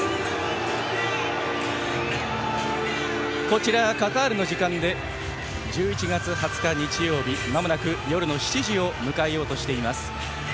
こちらカタールの時間で１１月２０日、日曜日まもなく夜の７時を迎えようとしています。